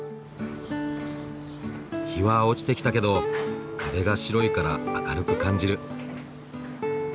日は落ちてきたけど壁が白いから明るく感じる。